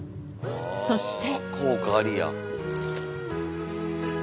そして。